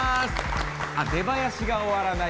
あ、出囃子が終わらない。